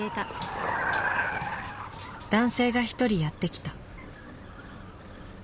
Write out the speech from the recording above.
男性が一人やって来た。